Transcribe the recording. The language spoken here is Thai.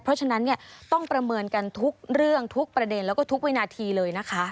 เพราะฉะนั้นเนี่ยต้องประเมินกันทุกเรื่องทุกประเด็นแล้วก็ทุกวินาทีเลยนะคะ